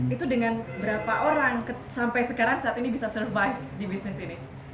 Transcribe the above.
itu dengan berapa orang sampai sekarang saat ini bisa survive di bisnis ini